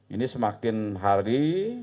ini semakin hari